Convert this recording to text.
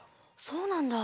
そうなんだ。